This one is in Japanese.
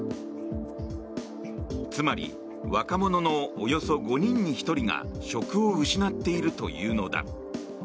つまり若者のおよそ５人に１人が職を失っているというのだ。